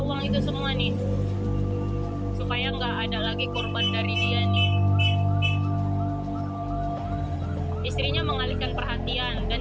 uang itu semua nih supaya enggak ada lagi korban dari dia nih istrinya mengalihkan perhatian dan